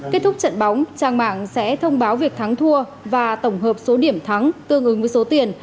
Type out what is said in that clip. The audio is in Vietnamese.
kết thúc trận bóng trang mạng sẽ thông báo việc thắng thua và tổng hợp số điểm thắng tương ứng với số tiền